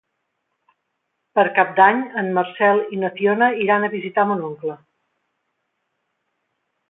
Per Cap d'Any en Marcel i na Fiona iran a visitar mon oncle.